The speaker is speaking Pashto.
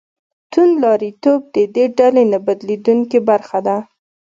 توندلاریتوب د دې ډلې نه بېلېدونکې برخه ده.